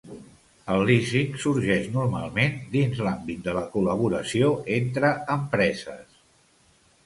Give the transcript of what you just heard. El lísing sorgeix normalment dins l'àmbit de la col·laboració entre empreses.